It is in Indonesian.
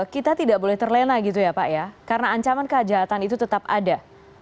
kita tidak boleh terlena gitu ya pak ya karena ancaman kejahatan itu tetap ada